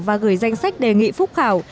và gửi danh sách đề nghị phúc khảo